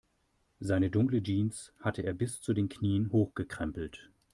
Seine dunkle Jeans hatte er bis zu den Knien hochgekrempelt.